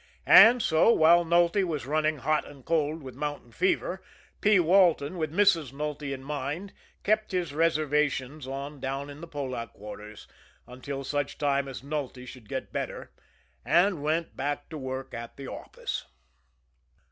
And so, while Nulty was running hot and cold with mountain fever, P. Walton, with Mrs. Nulty in mind, kept his reservations on down in the Polack quarters, until such time as Nulty should get better and went back to work at the office.